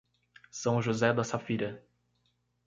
São José da Safira